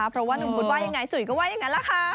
เพราะว่านุ่มพุธว่ายังไงจุ๋ยก็ว่ายังไงล่ะค่ะ